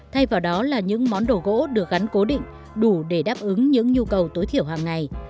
thay vào đó là những món đồ gỗ được gắn cố định đủ để đáp ứng những nhu cầu tối thiểu hàng ngày